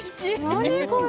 何これ？